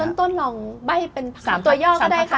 ต้นลองใบ้เป็น๓ตัวย่อก็ได้ค่ะ